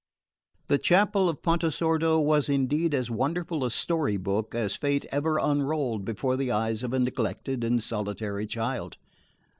The chapel of Pontesordo was indeed as wonderful a storybook as fate ever unrolled before the eyes of a neglected and solitary child.